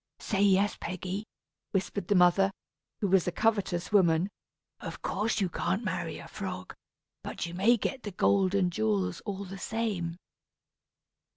"Say yes, Peggy," whispered the mother, who was a covetous woman. "Of course you can't marry a frog, but you may get the gold and jewels all the same."